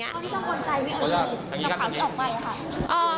ไม่ได้กังวลใจวิอาทิตย์จะขับออกไปหรือครับ